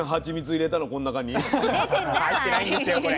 入ってないんですよこれ。